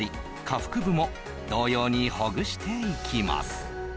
下腹部も同様にほぐしていきます